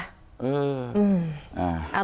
อืม